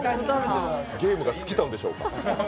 ゲームが尽きたんでしょうか？